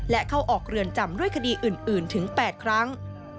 และเข้าออกเรือนจำด้วยคดีอื่นถึง๘ครั้ง